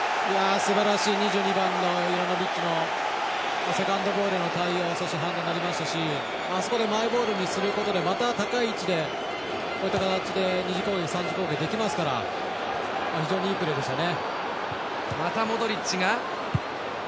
すばらしい２２番のユラノビッチのセカンドボールの対応反応もありましたしあそこでマイボールにすることでまた、高い位置でこういった形で２次攻撃、３次攻撃できますから非常にいいプレーでしたね。